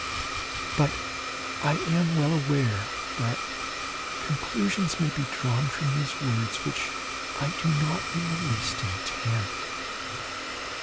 But I am well aware that conclusions may be drawn from these words which I do not in the least intend.